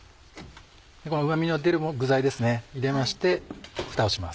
うま味の出る具材ですね入れましてふたをします。